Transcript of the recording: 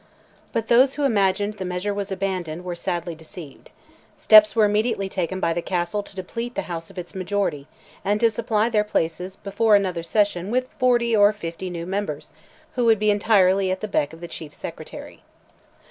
But those who imagined the measure was abandoned were sadly deceived. Steps were immediately taken by the Castle to deplete the House of its majority, and to supply their places before another session with forty or fifty new members, who would be entirely at the beck of the Chief Secretary.